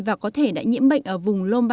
và có thể đã nhiễm bệnh ở vùng